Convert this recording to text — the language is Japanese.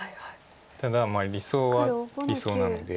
ただまあ理想は理想なので。